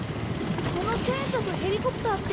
この戦車とヘリコプターって。